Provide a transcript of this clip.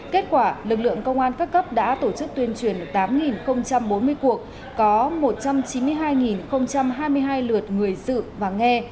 kết quả lực lượng công an các cấp đã tổ chức tuyên truyền tám bốn mươi cuộc có một trăm chín mươi hai hai mươi hai lượt người dự và nghe